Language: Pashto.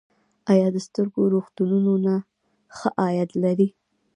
آیا د سترګو روغتونونه ښه عاید لري؟